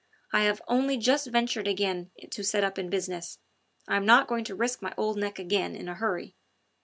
I have only just ventured again to set up in business. I am not going to risk my old neck again in a hurry...."